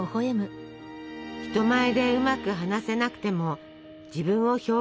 人前でうまく話せなくても自分を表現する手段がある。